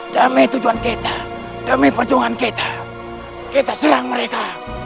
damai tujuan kita demi perjuangan kita kita serang mereka